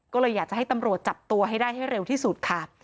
ก็เลยอยากจะให้ตำรวจจับตัวให้ได้ให้เร็วที่สุดค่ะ